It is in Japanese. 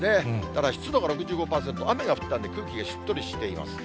ただ湿度が６５％、雨が降ったんで、空気がしっとりしています。